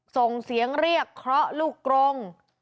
ส่งเสียงเรียกเคราะห์ลูกกรง